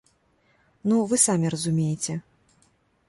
Ну, вы самі разумееце.